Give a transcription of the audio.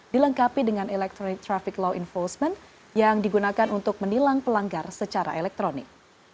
dilengkapi dengan electronic traffic law enforcement yang digunakan untuk menilang pelanggar secara elektronik